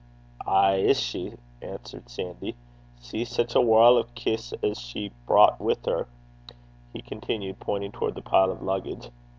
'Ay is she,' answered Sandy. 'See sic a warl' o' kists as she's brocht wi' her,' he continued, pointing towards the pile of luggage.